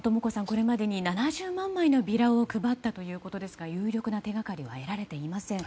これまでに７０万枚のビラを配ったということですが有力な手掛かりは得られていません。